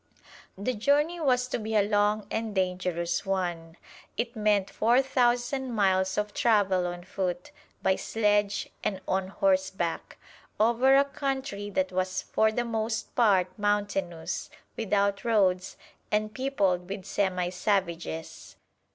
The journey was to be a long and dangerous one. It meant four thousand miles of travel on foot, by sledge and on horseback, over a country that was for the most part mountainous, without roads, and peopled with semi savages.